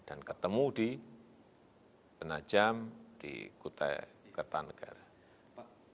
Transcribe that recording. dan ketemu di penajam di kutai kertanegara